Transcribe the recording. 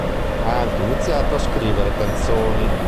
Ha anche iniziato a scrivere canzoni.